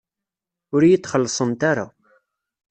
Ur iyi-d-xellṣent ara.